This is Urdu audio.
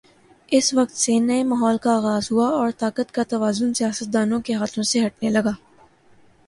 اس وقت سے نئے ماحول کا آغاز ہوا اور طاقت کا توازن سیاستدانوں کے ہاتھوں سے ہٹنے لگا۔